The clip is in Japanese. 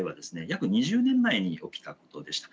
約２０年前に起きたことでした。